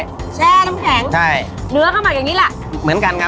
แช่น้ำแข็งใช่เนื้อเข้ามาอย่างงี้ล่ะเหมือนกันครับ